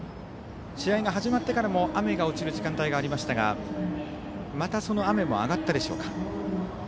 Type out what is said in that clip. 試合が始まってからも雨が落ちる時間帯がありましたがまたその雨も上がったでしょうか。